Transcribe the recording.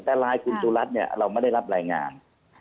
แต่รายคุณสุรัตน์เราไม่ได้รับรายงาน